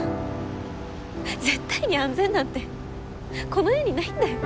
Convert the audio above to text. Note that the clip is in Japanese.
絶対に安全なんてこの世にないんだよ。